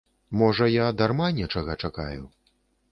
Можа, я дарма нечага чакаю.